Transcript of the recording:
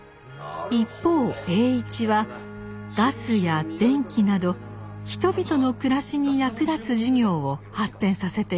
一方栄一はガスや電気など人々の暮らしに役立つ事業を発展させていきました。